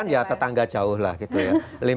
lima puluh delapan ya tetangga jauh lah gitu ya